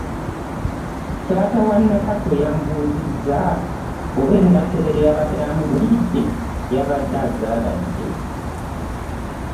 Taata wa Nakato yamubuziiza oba engaato zeyabadde amugulidde yabadde azagadde.